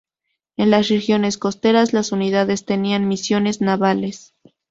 En las regiones costeras, las unidades tenían misiones navales.